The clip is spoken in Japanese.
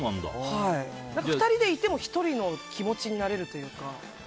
２人でいても１人の気持ちになれるというか。